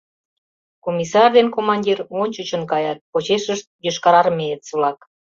Комиссар ден командир ончычын каят, почешышт — йошкарармеец-влак.